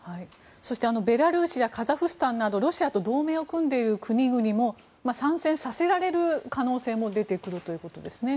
そしてベラルーシやカザフスタンなどロシアと同盟を組んでいる国々も参戦させられる可能性も出てくるということですね。